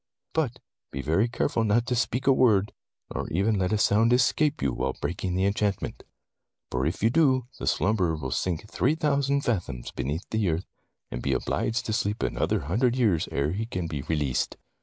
"But be very careful not to speak a word, nor even let a sound escape you while breaking the enchantment! For if you do, the slumberer will sink three thou sand fathoms beneath the earth, and be obliged to sleep another hundred years ere he can be released.'